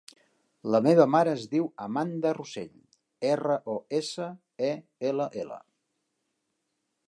La meva mare es diu Amanda Rosell: erra, o, essa, e, ela, ela.